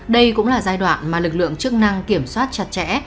đây cũng là giai đoạn mà lực lượng chức năng kiểm soát chặt chẽ